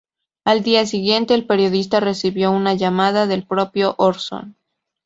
Al día siguiente, el periodista recibió una llamada del propio Orson.